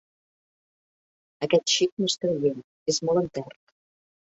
Aquest xic no és creient: és molt enterc.